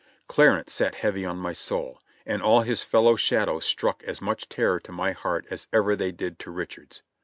Clarence sat heavy on my soul; and all his fellow shad ows struck as much terror to my heart as ever they did to Rich ard's.